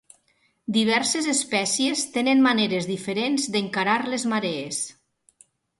Diverses espècies tenen maneres diferents d'encarar les marees.